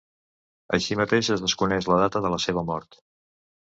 Així mateix es desconeix la data de la seva mort.